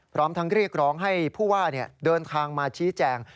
พร้อมทั้งเรียกร้องให้ผู้ว่าเดินทางมาชี้แจง